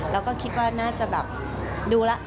แล้วก็คิดว่าน่าจะแบบดูแล้ว